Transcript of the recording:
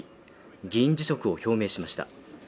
議員辞職を表明しました。